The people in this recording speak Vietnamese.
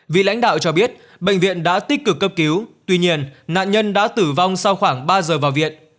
vị lãnh đạo cho biết bệnh viện đã tích cực cấp cứu tuy nhiên nạn nhân đã tử vong sau khoảng ba giờ vào viện